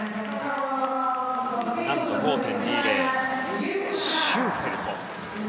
難度５．２０のシューフェルト。